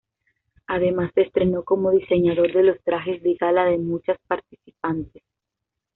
Además, se estrenó como diseñador de los trajes de gala de muchas participantes.